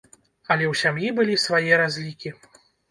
Але ў сям'і былі свае разлікі.